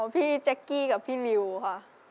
พี่แจ๊กกี้กับพี่นิวค่ะ